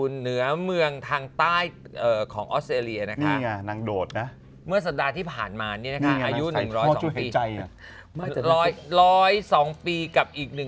เห็นไหมละ